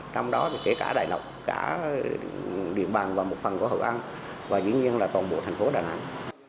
trong đó thì kể cả đài lộc cả điện bàn và một phần của hậu an và dĩ nhiên là toàn bộ thành phố đà nẵng